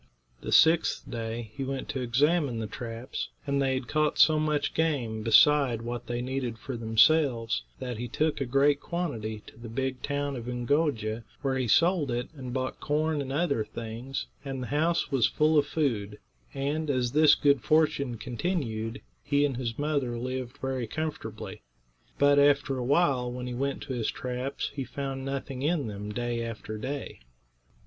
The sixth day he went to examine the traps, and they had caught so much game, beside what they needed for themselves, that he took a great quantity to the big town of Oongoo'ja, where he sold it and bought corn and other things, and the house was full of food; and, as this good fortune continued, he and his mother lived very comfortably. But after a while, when he went to his traps he found nothing in them day after day.